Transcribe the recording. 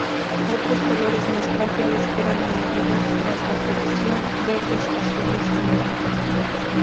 Otros colores más frágiles eran añadidos tras la cocción: verdes, azules y malvas.